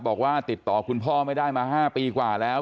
บอกว่าติดต่อคุณพ่อไม่ได้มา๕ปีกว่าแล้ว